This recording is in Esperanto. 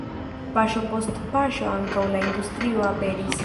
Paŝo post paŝo ankaŭ la industrio aperis.